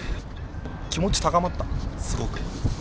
気持ち高まった、すごく。